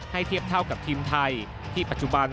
เทียบเท่ากับทีมไทยที่ปัจจุบัน